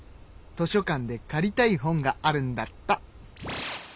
図書館で借りたい本があるんだった。